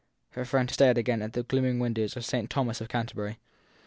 Her friend had stared again at the glimmering windows of St. Thomas of Canterbury.